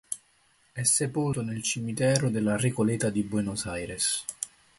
È sepolto nel cimitero della Recoleta di Buenos Aires.